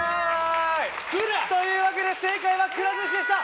というわけで正解はくら寿司でした！